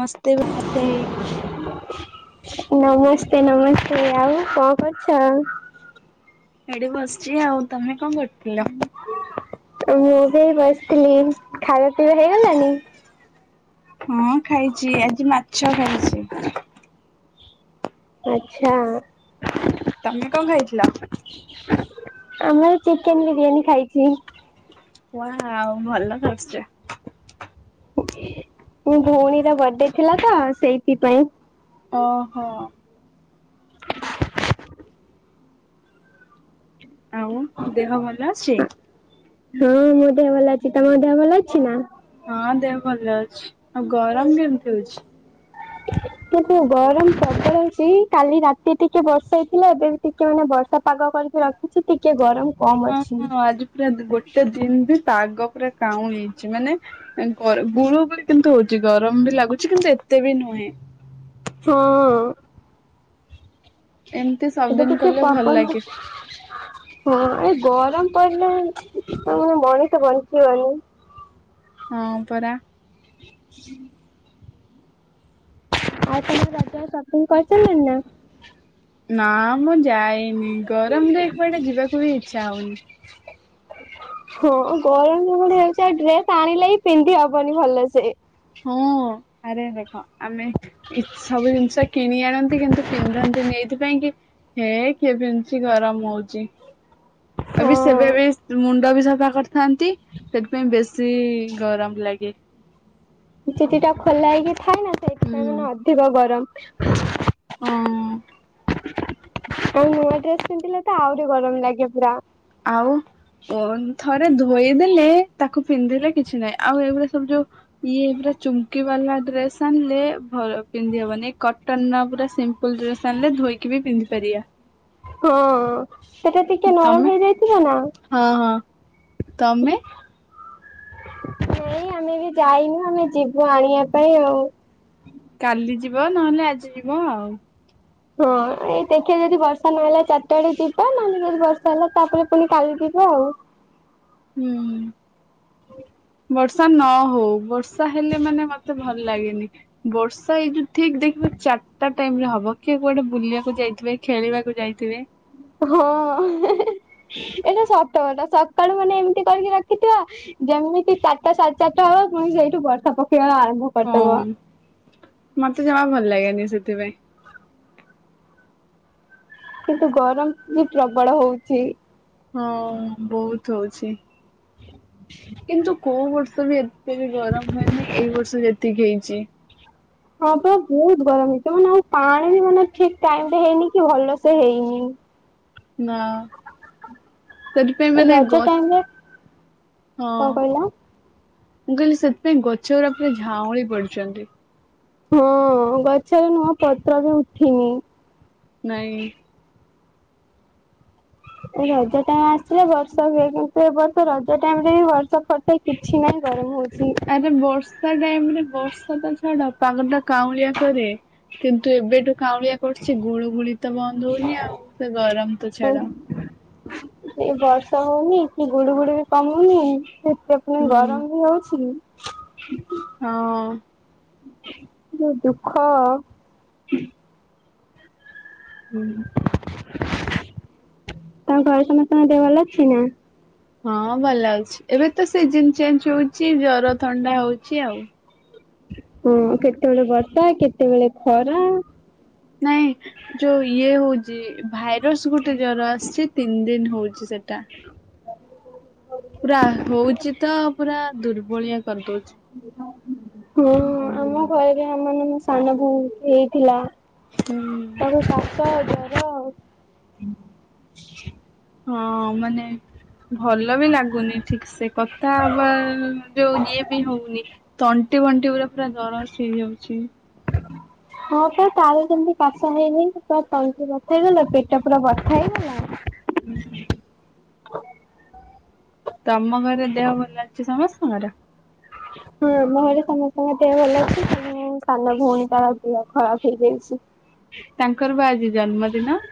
ନମସ୍ତେ [inaudible] ନମସ୍ତେ, ନମସ୍ତେ। ଆଉ କଣ କରୁଛ? ଏଠି ବସିଚି ଆଉ। ତମେ କଣ କରୁଥିଲ? ମୁଁ ସେଇ ବସିଥିଲି। ଖାଇବା ପିଇବା ହେଇଗଲାଣିି? ହଁ ଖାଇଛି। ଆଜି ମାଛ ଖାଇଛି। ଆଛା। ତମେ କଣ ଖାଇଥିଲ? ଆମର ଚିକେନ ବିରିୟାନୀ ଖାଇଛି। ଉଆଓ ଭଲ କରୁଛ। ମୋ ଭଉଣୀର ବଡେ ଥିଲା ତ, ସେଇଥିପାଇଁ। ଓହୋ। ଆଉ, ଦେହ ଭଲ ଅଛି? ହଁ ମୋ ଦେହ ଭଲ ଅଛି। ତମ ଦେହ ଭଲ ଅଛି ନା। ହଁ ଦେହ ଭଲ ଅଛି। ଆଉ ଗରମ କେମିତି ହଉଛି? କିନ୍ତୁ ଗରମ ପ୍ରବଳ ହୋଉଛି କାଲି ରାତି ଟିକେ ବର୍ଷା ହେଇଥିଲା ଏବେ ଟିକେ ମାନେ ବର୍ଷା ପାଗ କରିକି ରଖିଛି ଟିକେ ଗରମ କମ୍ ହଁ ଅଛି। ହଁ ଆଜି ପୁରା ଗୋଟେ ଦିନ୍ ବି ପାଗ ପୁରା କାଉଁଳେଇଚି ମାନେ ଆଁ ଗର ଗୁଳୁ ଗୁଳି କିନ୍ତୁ ହଉଛି ଗରମ ବି ଲାଗୁଛି କିନ୍ତୁ ଏତେ ବି ନୁହେଁ। ହଁ ଏମିତି ଏବେ ସବୁଦିନ ଟିକେ କଲେ ଭଲ ପବନ ଲାଗେ। ହଁ ଏ ଗରମ ପଡ଼ିଲେ ଆଉ ମଣିଷ ବଞ୍ଚିବନି। ହଁ ପରା। ହୁଁ [unintelligible] ଆଉ ସବୁ ରଜର ସପିଂ କରି ସାରିଲେଣି ନା। ନା ମୁଁ ଯାଇନି ଗରମରେ କୁଆଡେ ଯିବାକୁ ବି ଇଛା ହଉନି। ହଁ ଗରମ ଯୋଉଁଭଳିଆ ହଉଛି ଆଉ ଡ୍ରେସ ଆଣିଲେ ହିଁ ପିନ୍ଧି ହବନି ଭଲ ସେ। ହଁ ଆରେ ଦେଖ ଆମେ ଏ ସବୁ ଜିନିଷ କିଣି ଆଣନ୍ତି କିନ୍ତୁ ପିନ୍ଧନ୍ତିନି ଏଇଥିପାଇଁ କି ହେ କିଏ ପିନ୍ଧୁଛି ଗରମ ହଉଛି। ଆ ବି ହଁ ସେବେ ବି ମୁଣ୍ଡ ବି ସଫା କରିଥାନ୍ତି ସେଥିପାଇଁ ବେଶୀ ଗରମ ଲାଗେ। ଚୁଟିଟା ଖୋଲା ହେଇକି ଥାଏ ନା ସେଇଥିପାଇଁ ମାନେ ହୁଁ ଅଧିକ ଗରମ ହଁ। ଆଉ ନୂଆ ଡ୍ରେସ୍ ପିନ୍ଧିଲେ ତ ଆହୁରି ଗରମ ଲାଗେ ପୁରା। ଆଉ। ଓନ ଥରେ ଧୋଇଦେଲେ ତାକୁ ପିନ୍ଧିଲେ କିଛି ନାହିଁ ଆଉ ଏଇଗୁଡା ସବୁ ଯୋଉ ଇଏ ପୁରା ଚୁମ୍କି ବାଲା ଡ୍ରେସ୍ ଆଣିଲେ ଭଲ ପିନ୍ଧି ହବନି ଏ କଟ- କଟନର ପୁରା ସିମ୍ପୁଲ ଡ୍ରେସ୍ ଆଣିଲେ ଧୋଇକି ବି ପିନ୍ଧି ପାରିବା। ହଁ ସେଟା ଟିକେ ନରମ ତମେ ହେଇଯାଇଥିବ ନା। ହଁ ହଁ ତମେ ନାଇଁ ଆମେ ବି ଯାଇନୁ ଆମେ ଯିବୁ ଆଣିବା ପାଇଁ ଆଉ। କାଲି ଯିବ ନହେଲେ ଆଜି ଯିବ ଆଉ। ହଁ ଏଇ ଦେଖିବା ଯଦି ବର୍ଷା ନହେଲା ଚାରିଟା ବେଳେ ଯିବା ନହେଲେ ଯଦି ବର୍ଷା ହେଲା ତାପରେ ପୁଣି କାଲି ଯିବା ଆଉ। ହୁଁ। ଆଉ। ବର୍ଷା ନ ହଉ ବର୍ଷା ହେଲେ ମାନେ ମତେ ଭଲ ଲାଗେନି। ବର୍ଷା ଏଇ ଯୋଉ ଠିକ୍ ଦେଖିବ ଚାରିଟା ଟାଇମରେ ହବ କିଏ କୁଆଡେ ବୁଲିବାକୁ ଯାଇଥିବେ ଖେଳିବାକୁ ଯାଇଥିବେ। ହଁ ଏଇଟା ସତ କଥା ସକାଳୁ ମାନେ ଏମିତି କରିକି ରଖିଥିବ ଯେମିତି ଚାରିଟା ସାଢେ ଚାରିଟା ହେବ ପୁଣି ସେଇଠୁ ବର୍ଷା ପକେଇବା ଆରମ୍ଭ। ହଁ କରିଦବ। ମତେ ଜମା ଭଲ ଲାଗେନି ସେଥିପାଇଁ। କିନ୍ତୁ ଗରମ ବି ପ୍ରବଳ ହଉଚି। ହଁ ବହୁତ ହଉଛି। ହଁ [unintelligible] କିନ୍ତୁ କୋଉ ବର୍ଷ ବି ଏତେ ବି ଗରମ ହୁଏନି ଏଇ ବର୍ଷ ଯେତିକି ହେଇଛି। ହଁ ପା ବହୁତ ଗରମ ହେଇଚି ମାନେ ପାଣି ବି ମାନେ ଠିକ୍ ଟାଇମରେ ହେଇନି କି ଭଲସେ ହେଇନି। ନା। ସେଥିପାଇଁ ଏ ମାନେ ରଜ ଗ ଟାଇମରେ ହଁ। କଣ କହିଲ? ମୁଁ କହିଲି ସେଥିପାଇଁ ଗଛ ଉରା ପୁରା ଝାଉଁଳି ପଡୁଚନ୍ତି। ହଁ ଗଛରେ ନୂଆ ପତ୍ର ବି ଉଠିନି। ନାଇଁ। ଏ ରଜ ଟାଇମ ଆସିଲେ ବର୍ଷା ହୁଏ କିନ୍ତୁ ଏ ବର୍ଷ ରଜ ଟାଇମ ରେ ବି ବର୍ଷା ସା କିଛି ନାହିଁ ଗରମ ହଉଛି। ଆରେ ବର୍ଷା ଟାଇମ ରେ ବର୍ଷା ତ ଛାଡ ପାଗ ଟା କାଉଁଳିଆ କରେ। କିନ୍ତୁ ଏବେଠୁ କାଉଁଳିଆ କରୁଛି ଗୁଳୁ ଗୁଳି ତ ବନ୍ଦ ହଉନି ଆଉ ଗରମ ତ ଛାଡ। ସେ ବର୍ଷା ହଉନି କି ଗୁଡୁ ଗୁଳି ବି କମୁନି। ସେ ପୁଣି ହୁଁ ଗରମ ବି ହଉଛି। ହଁ। ଯୋଉ ଦୁଃଖ ହୁଁ। ତମ ଘରେ ସମସ୍ତଙ୍କ ଦେହ ଭଲ ଅଛିନା? ହଁ ଭଲ ଅଛି ଏବେ ତ ସିଜନ ଚେଞ୍ଜ ହଉଛି ଜର ଥଣ୍ଡା ହଉଛି ଆଉ। ହଁ କେତେବେଳେ ବର୍ଷା କେତେବେଳେ ଖରା। ନାଇଁ ଯୋଉ ଇଏ ହଉଛି ଭାଇରସ ଗୋଟେ ଜର ଆସିଛି। ତିନି ଦିନ ହଉଛି ସେଟା। ପୁରା ହଉଚି ତ ପୁରା ଦୁର୍ବଳିଆ କରିଦଉଛି। ହୁଁ ଆମ ଘରେରେ ମାନେ ମୋ ସାନ ଭଉଣୀ ହେଇଥିଲା। ହୁଁ। ତାକୁ କାଶ ଜର। ହଁ ମାନେ ଭଲ ବି ଲାଗୁନି ଠିକ ସେ କଥା ହବା ଉ ଇଏ ବି ହଉନି ତଣ୍ଟି ବଣ୍ଟି ପୁରା ପୁରା ଜରସ୍ ହେଇଯାଉଛି। ହଁ ବା ତାର ଯେମିତି କାଶ ହେଇନି ପୁରା ତଣ୍ଟି ବଥା ହେଇଗଲା ପେଟ ପୁରା ବଥା ହେଇଗଲା। ହୁଁଁ। ତମ ଘରେ ଦେହ ଭଲ ଅଛି ସମସ୍ତଙ୍କର? ହୁଁ ଆମ ଘରେ ସମସ୍ତଙ୍କ ଦେହ ଭଲ ଅଛିତମେ ସାନ ଭଉଣୀ ତାର ଦେହ ଖରାପ ହେଇଯାଇଛି। ତାଙ୍କର ବା ଆଜି ଜନ୍ମଦିନ।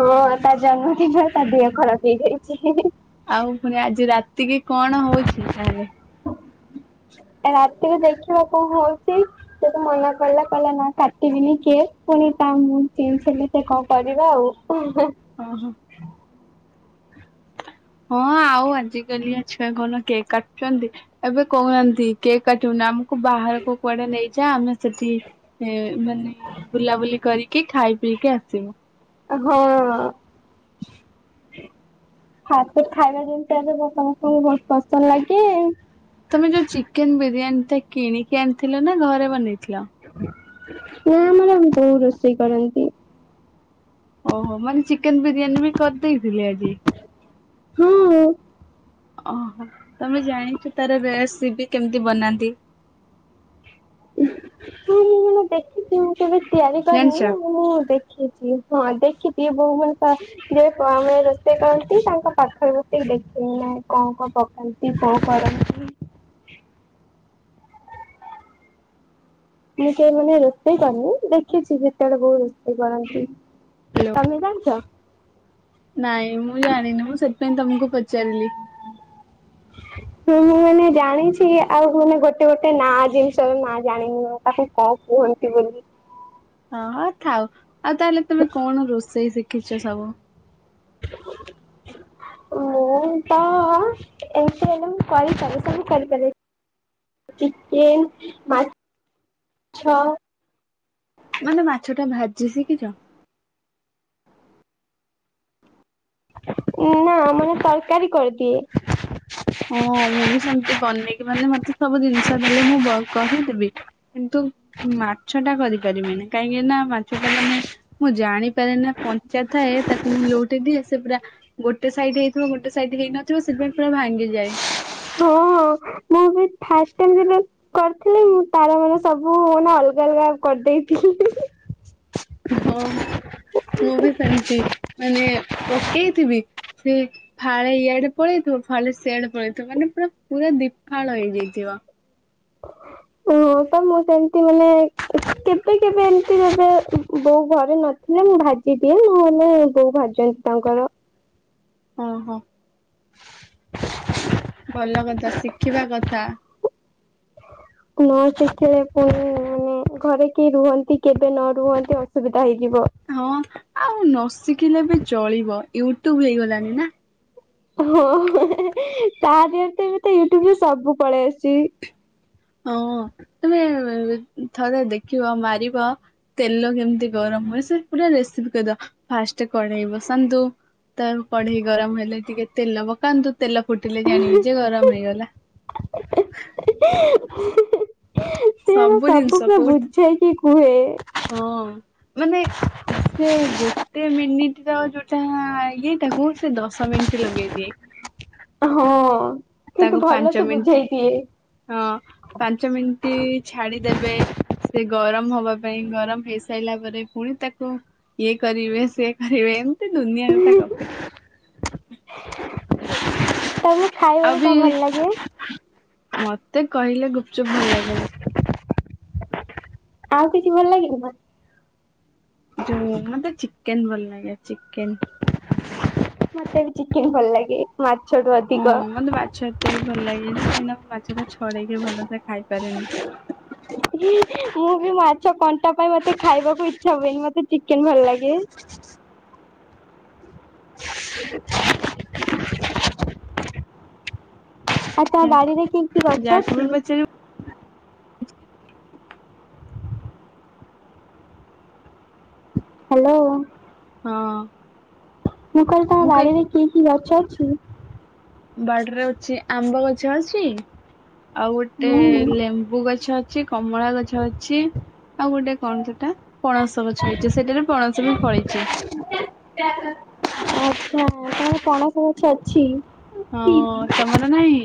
ହଁ ତା ଜନ୍ମଦିନରେ ତା ଦେହ ଖରାପ ହେଇଯାଇଛି। ଆଉ ପୁଣି ଆଜି ରାତିକି କଣ ହଉଛି ତାହେଲେ। ରାତିରେ ଦେଖିବା କଣ ହଉଛି। ସେଏତ ମନା କଲା କହିଲା ନା କାଟିବିନି କିଏ ପୁଣି ତା ମୁଁ କିଣିଥିଲି। ସେ କଣ କରିବା ଆଉ। ଓଁ ହ। ହଁ ଆଉ ଆଜ କାଲିଆ ଛୁଆ କଣ କେକ୍ କାଟୁଛନ୍ତି। ଏବେ କହୁନାହାନ୍ତି କେକ୍ କାଟିବନାମ ବାହାରକୁ କୁଆଡେ ନେଇଯା ଆମେ ସେଠି ମାନେ ବୁଲାବୁଲି କରି କି ଖାଇ ପିଇକି ଆସିବୁ। ହଁ। ହ ଖାଇବା ଯେମିତି ଏବେ ବ ସମସ୍ତଙ୍କୁ ବହୁତ ପସନ୍ଦ ଲାଗେ। ତମେ ଯୋଉ ଚିକେନ ବିରିୟାନୀ ଟା କିଣିକି ଆଣିଥିଲ ନା ଘରେ ବନେଇଥିଲ? ନା ଆମର ବୋଉ ରୋଷେଇ କରନ୍ତି। ଓହୋ, ମାନେ ଚିକେନ ବିରିୟାନୀ ବି କରିଦେଇଥିଲି ଆଜି। ହଁ। ଅ ହ ତମେ ଜାଣିଛ ତାର ରେସିପି କେମିତି ବନାନ୍ତି? ହଁ ମୁୁ ମାନେ ଦେଖିଛି ମୁ କେବେ ତିଆରି ଜାଣିଛ? କରିନି ମୁଁ ଦେଖ ଦେଖିଛି ହଁ ଦେଖିଛି ବୋଉ [unintelligible] ଯେ ଆମେ ରୋଷେଇ କରନ୍ତି ତାଙ୍କ ପାଖରେ ବସିକି ଟ ଦେଖେଇ ନାଇଁ କଁ କଁ ପକାନ୍ତି। ସେ କଣ କରନ୍ତି? ମୁଁ କେହି ମାନେ ରୋଷେଇ କରିନି, ଦେଖିଛି ଯେତେବେଳେ ବଉ ରୋଷେଇ କରନ୍ତି। ହ୍ୟାଲୋ। ତମେ ଜାଣିଚ? ନାଇଁ ମୁଁ ଜାଣିନି? ମୁଁ ସେଥିପାଇଁ ତମକୁ ପଚାରିଲି। ହ ହଁ, ମୁଁ ମାନେ ଜାଣିଛି, ଆଉ ମାନେ ଗୋଟେ ଗୋଟେ ନା ଜିନିଷ ନା ଜାଣିନି? ତାକୁ କଣ କୁହନ୍ତି ବୋଲି? ହଁ, ହଁ ଥାଉ ଆଉ ତାହେଲେ, ତମେ କଣ ରୋଷେଇ ଶିଖିଛ ସବୁ? ମୁଁ, ତ ଏମିତି ହେଲେ ମୁଁ କରିପାରେ ସବୁ କରିପାରେ। ଚିକେନ୍ ମାଛ-ଅ। ମାନେ ମାଛ ଟା ଭାଜି ଶିଖିଛ? ନା ମାନେ ତରକାରୀ କରିଦିଏ। ହଁ, ମୁଁ ବି ସେମତି ବନେଇକି, ମାନେ ମତେ ସବୁ ଜିନିଷ ଦେଲେ ମୁଁ କରିଦେବି। କିନ୍ତୁ ମାଛ ଟା କରିପାରିବିନି। କାହିଁକି ନା ମାଛ ଟା ମାନେ ମୁଁ ଜାଣିପାରେ ନା କଞ୍ଚା ଥାଏ, ତାକୁ ମୁଁ ଲୋଉଟେଇ ଦିଏ ସେ ପୁରା ଗୋଟେ ସାଇଡ୍ ହେଇଥିବ। ଗୋଟେ ସାଇଡ୍ ହେଇନଥିବ ସେଥିପାଇଁ ପୁରା ଭାଙ୍ଗିଯାଏ। ହଁ, ମୁଁ ବି ଫାଷ୍ଟ୍ ଟାଇମ୍ ଯେବେ କରିଥିଲି, ମୁଁ ତାର ମାନେ ସବୁ ମାନେ ଅଲଗା ଅଲଗା କରିଦେଇଥିଲି? ହଁ, ହଁ ମୁଁ ବି ସେମିତି। ମାନେ ପକେଇଥିବି ସେ ଫାଳେ ଇଆଡେ ପଳେଇଥିବ, ଫାଳେ ସିଆଡେ ପଳେଇଥିବ, ମାନେ ପୁରା ପୁରା ଦିଫାଳ ହେଇଯାଇଥିବ। ଓ ତ ମୁଁ ସେମିତି ମାନେ କେବେ କେବେ ଏମତି ଏବେ ବୋଉ ଘରେ ନ ନାଇଁ ମୁଁ ଭାଜି ଦିଏ। ନହେଲେ ବୋଉ ଭାଜିନ୍ତି ତାଙ୍କର। ହଁ, ହଁ। ଭଲ କଥା ଶିଖିବା କଥା। ନ ଶଖିଲେ ପୁଣି ମାନେ ଘରେ କେ ରୁହନ୍ତି, କେବେ ନ ରୁହନ୍ତି, ଅସୁବିଧା ହେଇଯିବ। ହଁ, ଆଉ ନ ଶିଖିଲେ ବି ଚଳିବ। ୟୁଟ୍ୟୁବ୍ ହେଇଗଲାଣିି ନା! ହଁ, [unintelligible] ତା ଦିହରେ ତ ଏବେ ତ ୟୁଟ୍ୟୁବରେ ସବୁ ପଳେଇ ଆସୁଛି। ହଁ, ତମେ ଥରେ ଦେଖିବ ମାରିବ। ତେଲ କେମିତି ଗରମ ହୁଏ, ସେ ପୁରା ରେସିପି କହିଦ, ଫାଷ୍ଟ କଣେଇ ବସାନ୍ତୁ। ତ କଢେଇ ଗରମ ହେଲେ ଟିକେ ତେଲ ପକାନ୍ତୁ, ତେଲ ଫୁଟିଲେ ଜାଣିବି ଯେ ଗରମ ହେଇଗଲା। [unintelligible] ସେ ସବୁ ଜିନିଷ କୁଏ କୋଉଠି ବୁଝେଇକି କୁହେ। ହଁ, ମାନେ ସେ ଗୋଟେ ମିନିଟ୍ ର ଯୋଉଟା ଇଏଟା ମୁଁ ସେ ଦଶ ମିନ୍ଟି ଲଗେଇଦିଏ। ହଁ, କିନ୍ତୁ ତାକୁ ଭଲ ପାଞ୍ଚ ସେ ମିନିଟ ବୁଝେଇ ଦିଏ। ହଁ, ପାଞ୍ଚ ମିନ୍ଟି ଛାଡିଦେବେ। ସେ ଗରମ ହବା ପାଇଁ ଗରମ ହେଇସାଇଲା, ପରେ ପୁଣି ତାକୁ ଇଏ କରିବେ, ସେ କରିବେ, ଏମିତି ଦୁନିଆକଥା ଗପେ ତମକୁ ଆଉ ଖାଇବକୁ ବି କଣ ଭଲ ଲାଗେ? ମତେ କହିଲେ ଗୁପ୍ ଚୁପ୍ ଭଲ ଲାଗେରେ। ଆଉ କିଛି ଭଲ ଲାଗେନି ନା! ଯୋଉ ମତେ ଚିକେନ୍ ଭଲ ଲାଗେ, ଚିକେନ୍। ମତେ ବି ଚିକେନ୍ ଭଲ୍ ଲାଗେ। ମାଛ [unintelligible] ହଁ ମତେ ମାଛ ଏତେ ବି ଭଲ ଲାଗେନି କାହିଁକିନା ମୁଁ ମାଛଟା ଛଡେଇକି ଭଲସେ ଖାଇ ପାରେନି। [inaudible] ମୁଁ ବି ମାଛ କଣ୍ଟା ପାଇଁ ମତେ ଖାଇବାକୁ ଇଚ୍ଛା ହୁଏନି ମତେ ଚିକେନ୍ ଭଲ୍ ଲାଗେ। [inaudible] ତା ଖିଆ ବାଡିରେ କି କି ଗଛ ଯାହାକୁ ବି ଅଛି? ପଚାରିବ ହାଲୋ। ହଁ। ମୁଁ କହିଲି ତମ ବାରିରେ କି କି ଗଛ ଅଛି? ବାଡିରେ ଅଛି ଆମ୍ବ ଗଛ ଅଛି ଆଉ ଗୋଟେ ହୁଁ। ଲେମ୍ବୁ ଗଛ ଅ ଛି କମଳା ଗଛ ଅଛି ଆଉ ଗୋଟେ କଣ୍ ସେଟା ପଣସ ଗଛ ହେଇଚି ସେଥିରେ ପଣସ ବି ଫଳିଛି। ଆଚ୍ଛା ତାହାଲେ ପଣସ ଗଛ ଅଛି। ହଁ ତମର ନାହିଁ?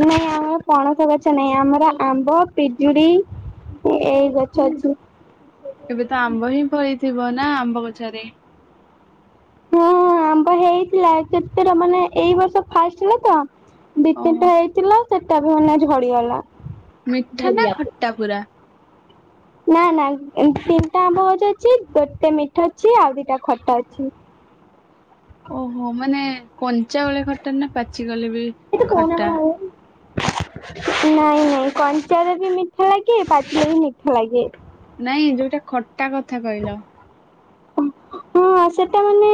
ନାହିଁ ଆମ ପଣସ ଗଛ ନାଇଁ ଆମର ଆମ୍ବ ପିଜୁଡି ଏଇ ଗଛ ଅଛି। ଏବେ ତ ଆମ୍ବ ହିଁ ଫଳିଥିବ ନା ଆମ୍ବ ଗଛରେ? ହଁ ଆମ୍ବ ହେଇଥିଲା କେତେଟା ମାନେ ଏଇ ବର୍ଷ ଫାଷ୍ଟ ଥିଲା ତ ଦିଇ ଓହୋ ତିନିଟା ହେଇଥିଲା ସେଟା ବି ମାନେ ଝଡିଗଲା। ମିଠା ନା ଖଟା ପୁରା? ନା ନା ତିନିଟା ଆମ୍ବ ଗଛ ଅଛି ଗୋଟେ ମିଠା ଅଛି ଆଉ ଦିଟା ଖଟା ଅଛି। ଓହୋ ମାନେ କଞ୍ଚା ବେଳେ ଖଟା ନା ପାଚି ଗଲେ ବି ଖଟା? ନାଇଁ ନାଇଁ କଞ୍ଚାରେ ବି ମିଠା ଲାଗେ ପାଚିଲେ ବି ମିଠା ଲାଗେ। ନାଇଁ ଯୋଉଟା ଖଟା କଥା କହିଲ। ହଁ ସେଟା ମାନେ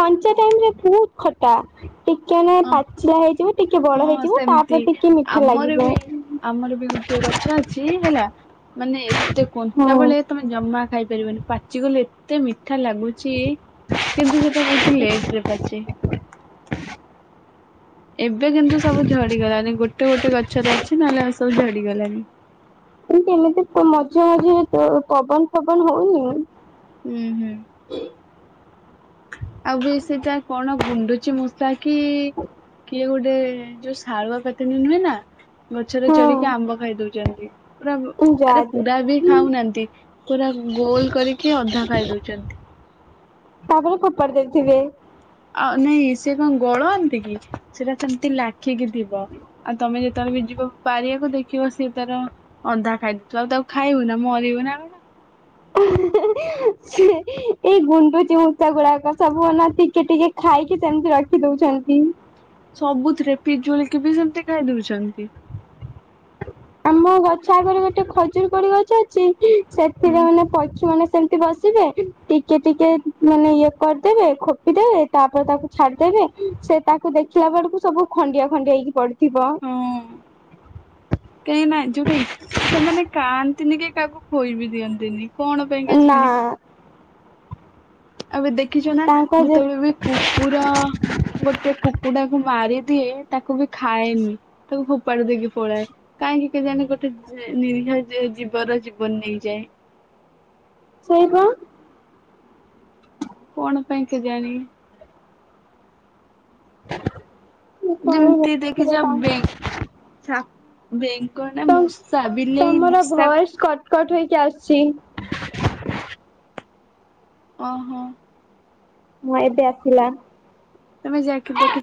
କଞ୍ଚା ଟାଇମ୍ ରେ ବହୁତ୍ ଖ ଟା ଟିକେ ମାନେ ଅ ପାଚିଲା ହେଇଯିବ ଟିକେ ବଡ ହଁ ହେଇଯିବ ସେମିତି ତାପରେ ଟିକେ ମିଠା ଆମର ଲାଗିବ। ବି ଆମର ବି ଗୁଟିଏ ଗଛ ଅଛି ହେଲା ମାନେ ଏତେ କଞ୍ଚା ହଁ ବେଳେ ତମେ ଜମା ଖାଇ ପାରିବନି ପାଚି ଗଲେ ଏତେ ମିଠା ଲାଗୁଚି କିନ୍ତୁ ସେଟା ବହୁତ୍ ଲେଟ୍ ରେ ପାଚେ। [inaudible] ଏବେ କିନ୍ତୁ ସବୁ ଝଡି ଗଲାଣିି ଗୋଟେ ଗୋଟେ ଗଛରେ ଅଛି ନହେଲେ ଆଉ ସବୁ ଝଡି ଗଲାଣି। କିନ୍ତୁ ଏମିତି ପୁ ମଜା [unintelligible] ପବନ ଫବନ ହଉନି। ଉଁ ହୁଁ। ଆଉ ବି ସେଇଟା କଣ ଗୁଣ୍ଡୁଚି ମୂଷା କି କିଏ ଗୋଟେ ଯୋଉ ସ୍ ଥାରୂଆପତିନି ନୁହେଁ ନା ଗଛରେ ଚଢିକି ହଁ ଆମ୍ବ ଖାଇ ଦଉଛନ୍ତି ପୁରା ଯା ଆରେ ଯା ପୁରା ବି ଖାଉନାହାନ୍ତି ପୁରା ଗୋଲ୍ କରିକି ଅଧା ଖାଇ ଦଉଚନ୍ତି। ତାପରେ ଫୋପାଡି ଦେଇଥିବେ। ଅ ନାଇଁ ସେ କଣ ଗଳନ୍ତି କି ସେ ବା ସେମ୍ତି ଲାଖିକି ଥିବ। ଆଉ ତମେ ଯେତେଅଳେ ବି ଯିବ ପାରିଆକୁ ଦେଖିବ ସେ ତାର ଅଧା ଖାଇ ଦେଇଥିବ ଆଉ ତାକୁ ଖାଇବୁ ନା ମରିବୁ ନା କଣ? [inaudible] ଏଇ ଗୁଣ୍ଡୁଚି ମୂଷା ଗୁଡାକ ସବୁ ଅନା ଟିକେ ଟିକେ ଖାଇକି ସେମ୍ତି ରଖି ଦଉଛନ୍ତି। ସବୁଥିରେ ପିଜୁଳିି କି ବି ସେମ୍ତି ଖାଇ ଦଉଛନ୍ତି। ଆମ ଗଛ ଆଗରେ ଗୋଟେ ଖଜୁରୀ କୋଳି ଗଛ ଅଛି ହୁଁ। ସେଥିରେ ଆମେ ସେମିତି ବସିବେ ଟିକେ ଟିକେ ମାନେ ଇଏ କରିଦେବେ ଖୋପିଦେବେ ତାପରେ ତାକୁ ଛାଡିଦେବେ ସେ ତାକୁ ଦେଖିଲା ବେଳକୁ ସବୁ ଖଣ୍ଡିଆ ଖଣ୍ଡିଆ ହେଇକି ପଡିଥିବ। କେହି ନାହିଁ, ଯୋଉଟା ସେମାନେ କାଆନ୍ତିନି କି କାହାକୁ ଖୋଇ ବିି ଦିଅନ୍ତିନି। କଣ ପାଇଁ ନା କେଜାଣି? ଏବେ ଦେଖିଛ ନା ତାଙ୍କ ଯେ ଯେତେବେଳେ ବି କୁକୁର ଗୋଟେ କୁକୁଡାକୁ ମାରିଦିଏ ତାକୁ ବି ଖାଏନି ତାକୁ ଫୋପାଡ଼ି ଦେଇକି ପଳାଏ। କାହିଁକି କେଜାଣି ଗୋଟେ ନିରିହ ଜୀବର ଜୀବନ ନେଇଯାଏ। ସେଇପା। କଣ ପାଇଁ କେଜାଣି? [unintelligible] ଯେମିତି ଦେଖିଛ ବେ ବେଙ୍ଗ ନା ମୂଷା ବିଲେଇ ତମର ମୂଷା କୁ ଭଏସ [unintelligible] ଓହୋ। ହଁ, ଏବେ ଆସିଲା। ତମେ ଯାଇକି ଦେଖି